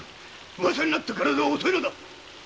噂になってからでは遅いのだ！